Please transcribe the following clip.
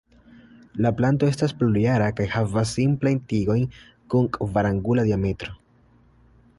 La planto estas plurjara kaj havas simplajn tigojn kun kvarangula diametro.